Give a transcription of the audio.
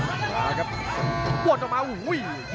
อื้อหือจังหวะขวางแล้วพยายามจะเล่นงานด้วยซอกแต่วงใน